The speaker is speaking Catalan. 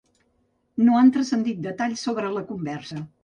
No han transcendit detalls sobre la conversa.